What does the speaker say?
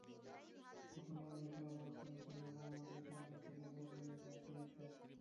আপনি আমাদের সর্বনাশ করেছেন এবং আমাদের জান্নাত থেকে বের করিয়ে দিয়েছেন।